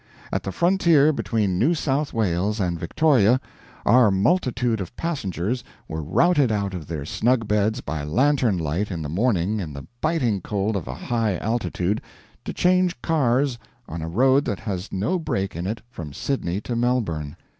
At the frontier between New South Wales and Victoria our multitude of passengers were routed out of their snug beds by lantern light in the morning in the biting cold of a high altitude to change cars on a road that has no break in it from Sydney to Melbourne!